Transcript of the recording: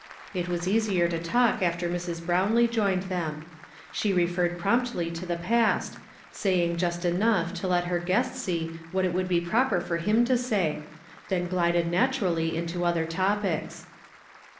It was easier to talk after Mrs. HrowiUee joined them. She refer'vd promptly to th(> past, saying just enougli to let her guest see what it would be proi)er for him U> say, then gliilcd naturally into other topics.